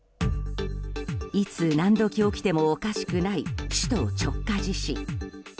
いつ何時起きてもおかしくない首都直下地震。